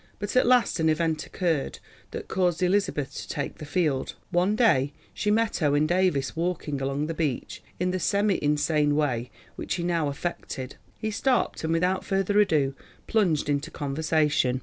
But at last an event occurred that caused Elizabeth to take the field. One day she met Owen Davies walking along the beach in the semi insane way which he now affected. He stopped, and, without further ado, plunged into conversation.